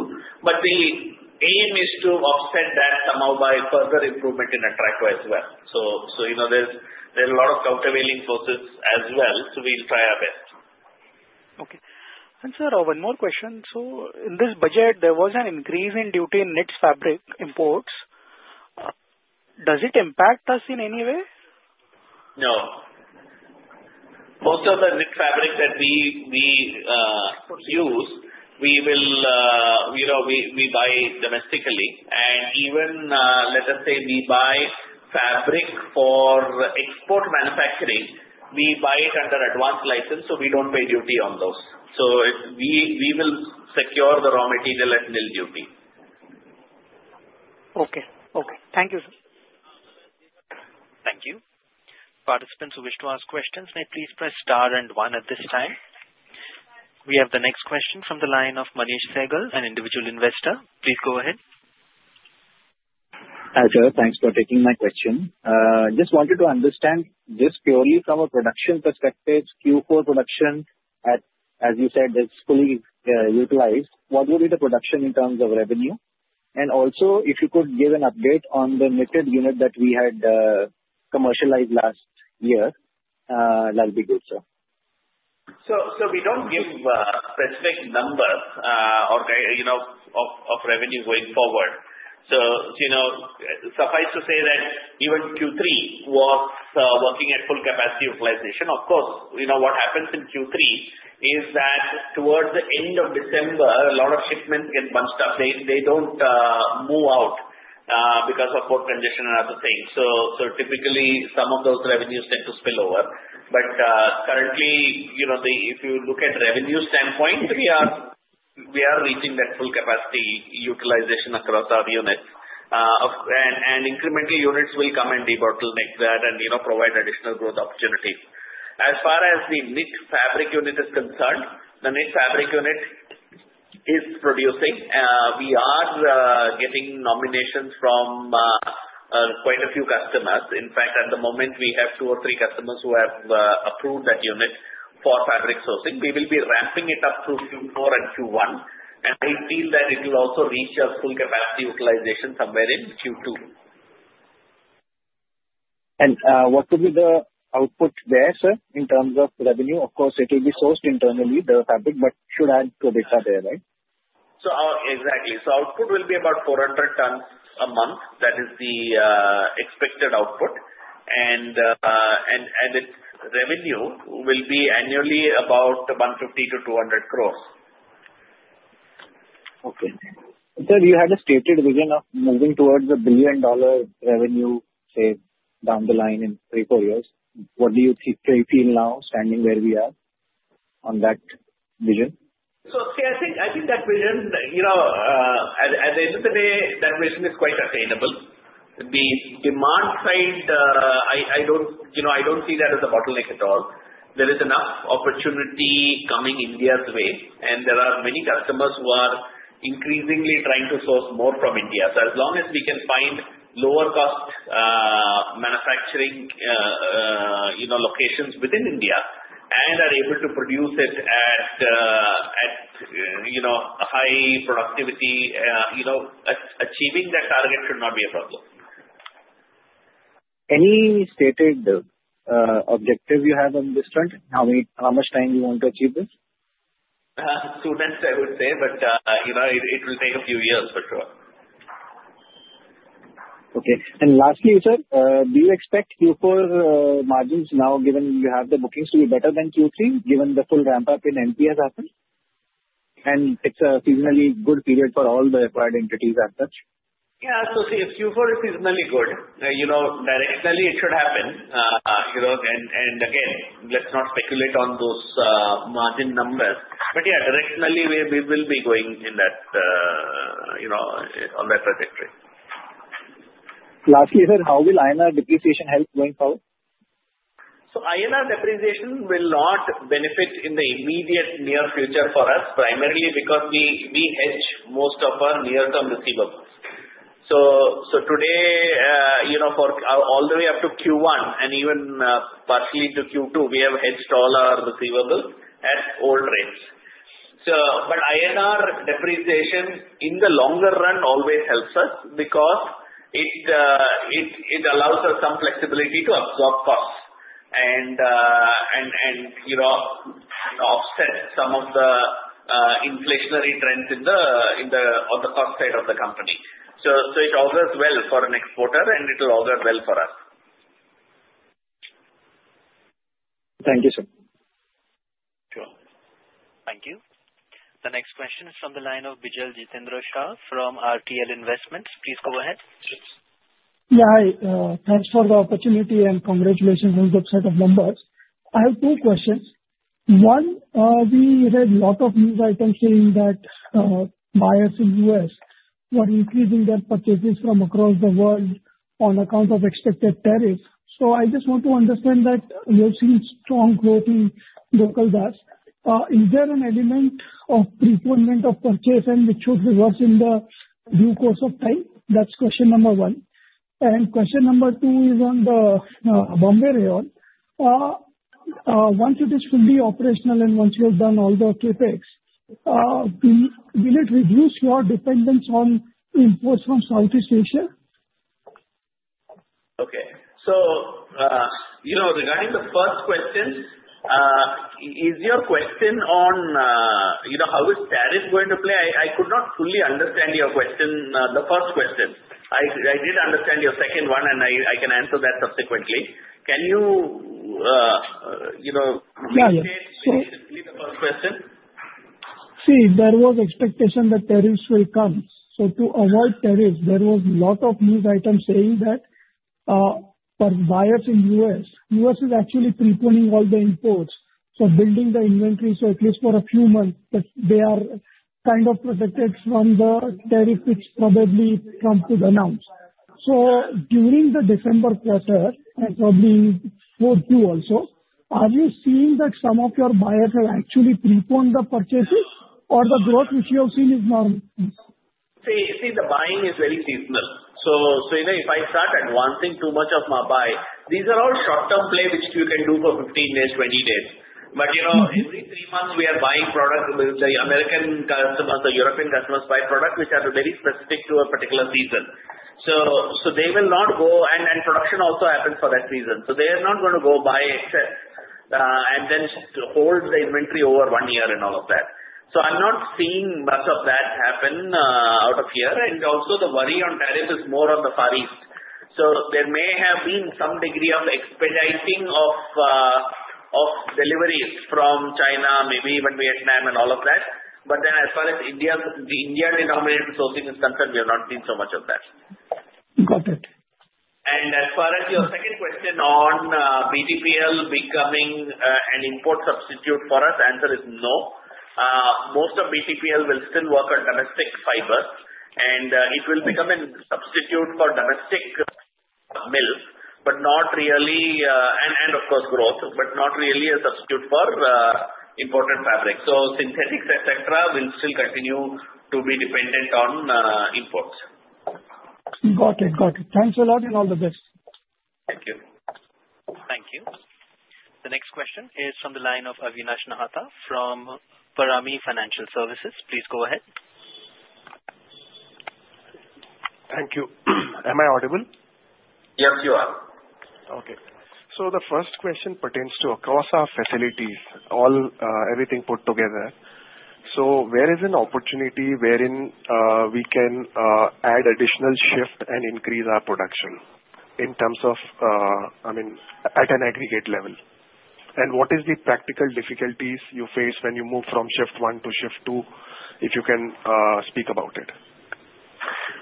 But the aim is to offset that somehow by further improvement in Atraco as well. So there's a lot of countervailing forces as well, so we'll try our best. Okay. And sir, one more question. So in this budget, there was an increase in duty in knit fabric imports. Does it impact us in any way? No. Most of the knit fabric that we use, we buy domestically, and even let us say we buy fabric for export manufacturing, we buy it under advanced license, so we don't pay duty on those, so we will secure the raw material at mill duty. Okay. Okay. Thank you, sir. Thank you. Participants who wish to ask questions, may please press * and 1 at this time. We have the next question from the line of Mohnish Shehgal, an individual investor. Please go ahead. Hi sir. Thanks for taking my question. Just wanted to understand just purely from a production perspective, Q4 production, as you said, is fully utilized. What would be the production in terms of revenue? And also, if you could give an update on the knitted unit that we had commercialized last year, that would be good, sir. So we don't give specific numbers of revenue going forward. So suffice to say that even Q3 was working at full capacity utilization. Of course, what happens in Q3 is that towards the end of December, a lot of shipments get bunched up. They don't move out because of work congestion and other things. So typically, some of those revenues tend to spill over. But currently, if you look at revenue standpoint, we are reaching that full capacity utilization across our units. And incremental units will come and de-bottleneck like that and provide additional growth opportunities. As far as the knit fabric unit is concerned, the knit fabric unit is producing. We are getting nominations from quite a few customers. In fact, at the moment, we have two or three customers who have approved that unit for fabric sourcing. We will be ramping it up through Q4 and Q1. I feel that it will also reach our full capacity utilization somewhere in Q2. What would be the output there, sir, in terms of revenue? Of course, it will be sourced internally, the fabric, but should add to EBITDA there, right? Exactly. So output will be about 400 tons a month. That is the expected output. And its revenue will be annually about 150-200 crores. Okay. Sir, you had a stated vision of moving towards a $1 billion revenue, say, down the line in three or four years. What do you feel now, standing where we are, on that vision? So I think that vision, at the end of the day, that vision is quite attainable. The demand side, I don't see that as a bottleneck at all. There is enough opportunity coming India's way, and there are many customers who are increasingly trying to source more from India. So as long as we can find lower-cost manufacturing locations within India and are able to produce it at a high productivity, achieving that target should not be a problem. Any stated objective you have on this front? How much time do you want to achieve this? Two months, I would say, but it will take a few years for sure. Okay. And lastly, sir, do you expect Q4 margins now, given you have the bookings, to be better than Q3, given the full ramp-up in MP has happened? And it's a seasonally good period for all the acquired entities and such? Yeah. So Q4 is seasonally good. Directionally, it should happen. And again, let's not speculate on those margin numbers. But yeah, directionally, we will be going in that trajectory. Lastly, sir, how will INR depreciation help going forward? So INR depreciation will not benefit in the immediate near future for us, primarily because we hedge most of our near-term receivables. So today, all the way up to Q1 and even partially to Q2, we have hedged all our receivables at old rates. But INR depreciation in the longer run always helps us because it allows us some flexibility to absorb costs and offset some of the inflationary trends on the cost side of the company. So it augurs well for next quarter, and it will augur well for us. Thank you, sir. Sure. Thank you. The next question is from the line of Vijay Jitendra Shah from RTL Investments. Please go ahead. Yeah. Thanks for the opportunity and congratulations on the set of numbers. I have two questions. One, we read a lot of news items saying that buyers in the US were increasing their purchases from across the world on account of expected tariffs. So I just want to understand that we have seen strong growth in Gokaldas. Is there an element of preponement of purchase and which should reverse in the due course of time? That's question number one. And question number two is on the Bombay Rayon. Once it is fully operational and once you have done all the CapEx, will it reduce your dependence on imports from Southeast Asia? Okay. So regarding the first question, is your question on how is tariff going to play? I could not fully understand your question, the first question. I did understand your second one, and I can answer that subsequently. Can you restate the first question? See, there was expectation that tariffs will come. So to avoid tariffs, there was a lot of news items saying that for buyers in the U.S., U.S. is actually pre-pulling all the imports. So building the inventory, so at least for a few months, they are kind of protected from the tariff which probably Trump could announce. So during the December quarter, probably Q2 also, are you seeing that some of your buyers have actually pre-pulled the purchases or the growth which you have seen is normal? See, the buying is very seasonal. So if I start advancing too much of my buy, these are all short-term play which you can do for 15 days, 20 days. But every three months, we are buying products. The American customers, the European customers buy products which are very specific to a particular season. So they will not go, and production also happens for that season. So they are not going to go buy excess and then hold the inventory over one year and all of that. So I'm not seeing much of that happen out of here. And also, the worry on tariff is more on the Far East. So there may have been some degree of expediting of deliveries from China, maybe even Vietnam, and all of that. But then as far as India's denominator sourcing is concerned, we have not seen so much of that. Got it. As far as your second question on BTPL becoming an import substitute for us, the answer is no. Most of BTPL will still work on domestic fibers, and it will become a substitute for domestic mills, but not really a substitute for imported fabrics. So synthetics, etc., will still continue to be dependent on imports. Got it. Got it. Thanks a lot and all the best. Thank you. Thank you. The next question is from the line of Avinash Nahata from Parami Financial Services. Please go ahead. Thank you. Am I audible? Yes, you are. Okay. So the first question pertains to across our facilities, everything put together. So where is an opportunity wherein we can add additional shift and increase our production in terms of, I mean, at an aggregate level? And what is the practical difficulties you face when you move from shift one to shift two, if you can speak about it?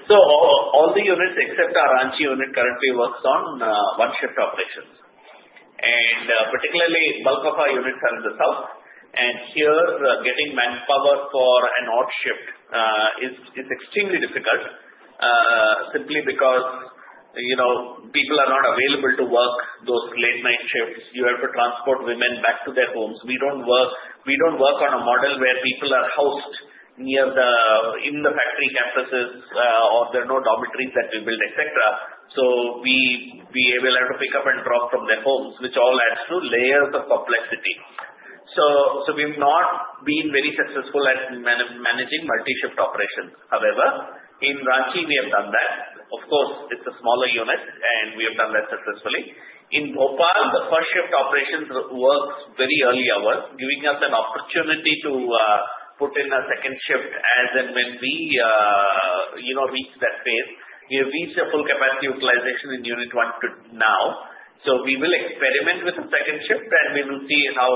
All the units except our Ranchi unit currently works on one-shift operations. Particularly, bulk of our units are in the south. Here, getting manpower for an odd shift is extremely difficult simply because people are not available to work those late-night shifts. You have to transport women back to their homes. We don't work on a model where people are housed in the factory campuses or there are no dormitories that we build, etc. We will have to pick up and drop from their homes, which all adds to layers of complexity. We've not been very successful at managing multi-shift operations. However, in Ranchi, we have done that. Of course, it's a smaller unit, and we have done that successfully. In Bhopal, the first-shift operations work very early hours, giving us an opportunity to put in a second shift as and when we reach that phase. We have reached a full capacity utilization in unit one now. So we will experiment with the second shift, and we will see how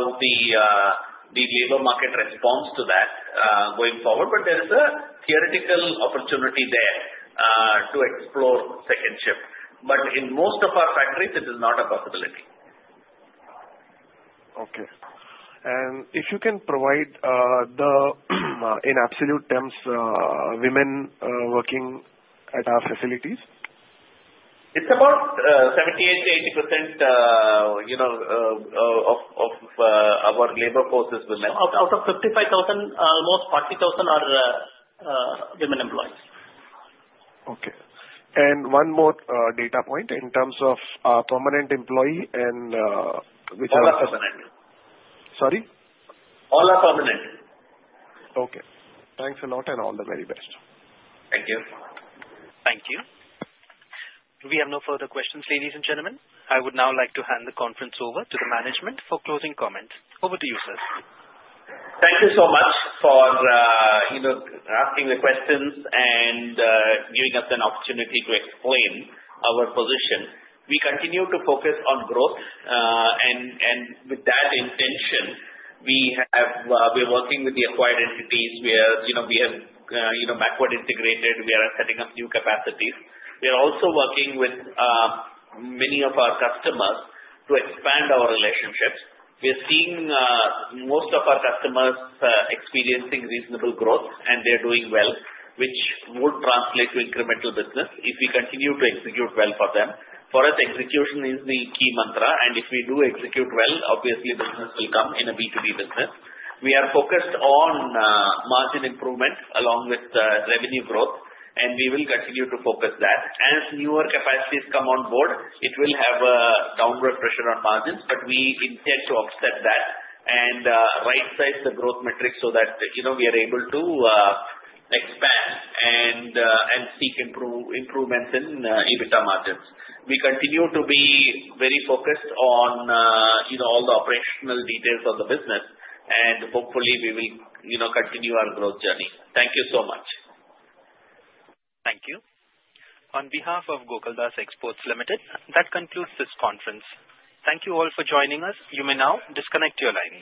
the labor market responds to that going forward. But there is a theoretical opportunity there to explore second shift. But in most of our factories, it is not a possibility. Okay. And if you can provide the, in absolute terms, women working at our facilities? It's about 78%-80% of our labor force is women. Out of 55,000, almost 40,000 are women employees. Okay, and one more data point in terms of permanent employee and which are? All are permanent. Sorry? All are permanent. Okay. Thanks a lot and all the very best. Thank you. Thank you. We have no further questions, ladies and gentlemen. I would now like to hand the conference over to the management for closing comments. Over to you, sir. Thank you so much for asking the questions and giving us an opportunity to explain our position. We continue to focus on growth, and with that intention, we are working with the acquired entities where we have backward integrated. We are setting up new capacities. We are also working with many of our customers to expand our relationships. We are seeing most of our customers experiencing reasonable growth, and they are doing well, which would translate to incremental business if we continue to execute well for them. For us, execution is the key mantra, and if we do execute well, obviously, business will come in a B2B business. We are focused on margin improvement along with revenue growth, and we will continue to focus that. As newer capacities come on board, it will have a downward pressure on margins, but we intend to offset that and right-size the growth metrics so that we are able to expand and seek improvements in EBITDA margins. We continue to be very focused on all the operational details of the business, and hopefully, we will continue our growth journey. Thank you so much. Thank you. On behalf of Gokaldas Exports Limited, that concludes this conference. Thank you all for joining us. You may now disconnect your lines.